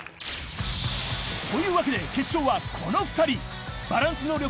というわけで決勝はこの２人バランス能力